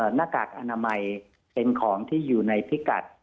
หน้ากากอนามัยเป็นของที่อยู่ในพิกัด